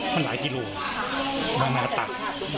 มันหายกิโลกรัมมากตัก